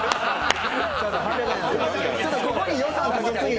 他のところに予算かけすぎて。